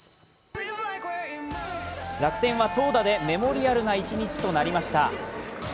楽天は投打でメモリアルな一日となりました。